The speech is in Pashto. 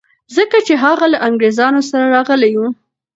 ځکه چي هغه له انګریزانو سره راغلی و.